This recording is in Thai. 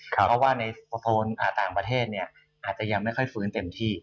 เพราะว่าในต่างประเทศอาจจะยังไม่ค่อยฟื้นเต็มที่